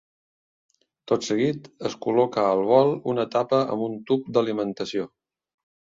Tot seguit, es col·loca al bol una tapa amb un "tub d'alimentació".